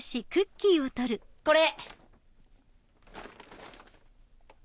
これ。